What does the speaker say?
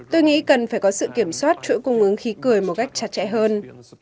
tôi nghĩ cần phải có sự kiểm soát chuỗi cung ứng khí cười một cách chặt chẽ hơn